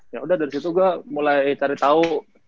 ya udah dari situ gue mulai cari tahu